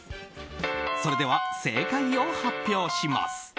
それでは正解を発表します。